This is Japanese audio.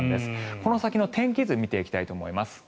この先の天気図見ていきたいと思います。